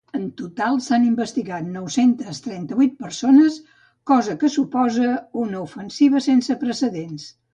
En total s’han investigat nou-cents trenta-vuit persones, cosa que suposa una ofensiva sense precedents.